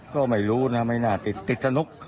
ก็ไม่รู้นะไม่น่าติดสนุก